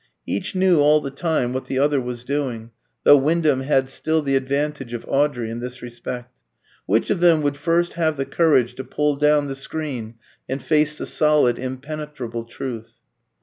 Each knew all the time what the other was doing; though Wyndham had still the advantage of Audrey in this respect. Which of them would first have the courage to pull down the screen and face the solid, impenetrable truth?